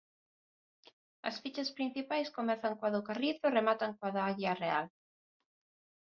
As fichas principais comezan coa do carrizo e rematan coa da aguia real.